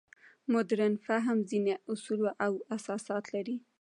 مډرن فهم ځینې اصول او اساسات لري.